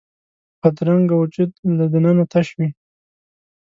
بدرنګه وجود له دننه تش وي